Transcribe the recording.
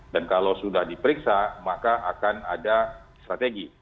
dan kalau sudah diperiksa maka akan ada strategi